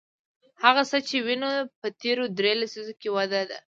هغه څه چې وینو په تېرو درې لسیزو کې وده ده.